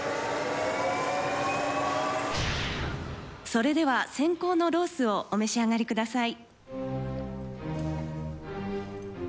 それでは先攻のロースをお召し上がりください。